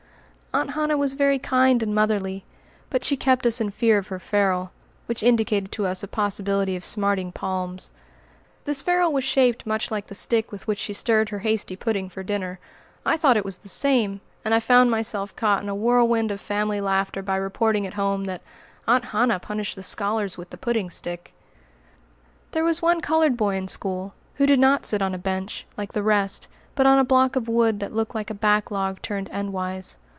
Aunt Hannah was very kind and motherly, but she kept us in fear of her ferule, which indicated to us a possibility of smarting palms. This ferule was shaped much like the stick with which she stirred her hasty pudding for dinner, I thought it was the same, and I found myself caught in a whirlwind of family laughter by reporting at home that "Aunt Hannah punished the scholars with the pudding stick." There was one colored boy in school, who did not sit on a bench, like the rest, but on a block of wood that looked like a backlog turned endwise.